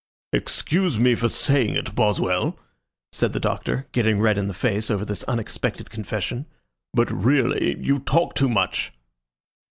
"Excuse me for saying it, Boswell," said the Doctor, getting red in the face over this unexpected confession, "but, really, you talk too much."